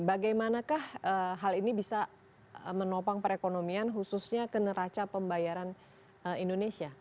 bagaimanakah hal ini bisa menopang perekonomian khususnya ke neraca pembayaran indonesia